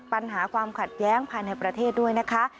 ปัญหาความขัดแย้งภายในประเทศด้วยนะคะ